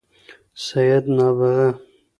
سید نابغه